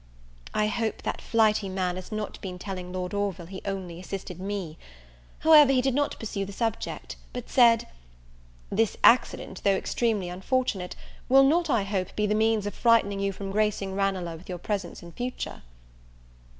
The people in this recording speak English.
I hope that flighty man has not been telling Lord Orville he only assisted me! however, he did not pursue the subject: but said, "This accident though extremely unfortunate, will not, I hope, be the means of frightening you from gracing Ranelagh with your presence in future?"